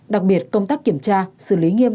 đặc biệt công tác kiểm tra xử lý nghiêm